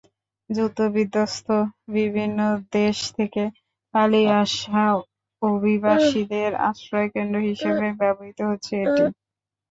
যুদ্ধবিধ্বস্ত বিভিন্ন দেশ থেকে পালিয়ে আসা অভিবাসীদের আশ্রয়কেন্দ্র হিসেবে ব্যবহৃত হচ্ছে এটি।